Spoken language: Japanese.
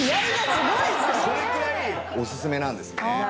それくらいオススメなんですね。